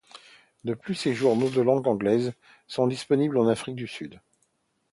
De plus, des journaux de langue anglaise sont disponibles en Afrique du Sud.